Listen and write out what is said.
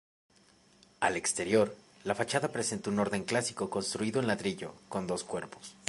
Al exterior, la fachada presenta un orden clásico construido en ladrillo, con dos cuerpos.